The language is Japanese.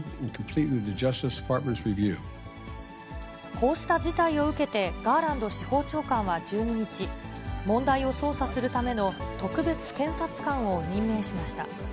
こうした事態を受けて、ガーランド司法長官は１２日、問題を捜査するための特別検察官を任命しました。